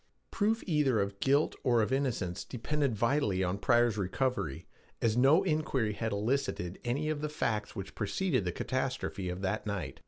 Proof either of guilt or of innocence depended vitally on Pryor's recovery, as no inquiry had elicited any of the facts which preceded the catastrophe of that night.